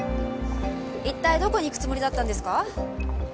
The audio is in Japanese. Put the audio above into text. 一体どこに行くつもりだったんですか？